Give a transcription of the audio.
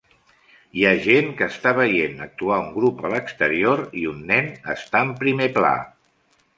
Hi ha gent que està veient actuar a un grup a l'exterior i un nen està en primer pla.